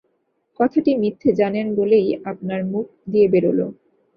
কথাটি মিথ্যে জানেন বলেই আপনার মুখ দিয়ে বেরোল।